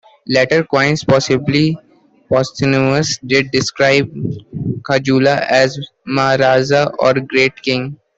Later coins, possibly posthumous, did describe Kujula as "Maharajasa", or "Great King".